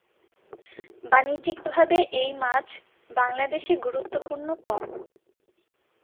বাণিজ্যিকভাবে এই মাছ বাংলাদেশে গুরুত্বপূর্ণ কম।